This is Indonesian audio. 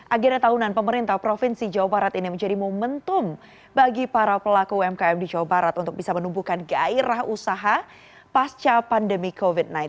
agenda tahunan pemerintah provinsi jawa barat ini menjadi momentum bagi para pelaku umkm di jawa barat untuk bisa menumbuhkan gairah usaha pasca pandemi covid sembilan belas